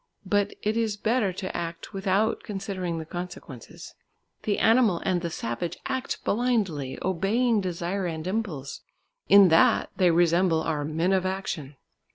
But it is better to act without considering the consequences. The animal and the savage act blindly, obeying desire and impulse; in that they resemble our "men of action"!